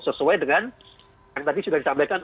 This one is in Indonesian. sesuai dengan yang tadi sudah disampaikan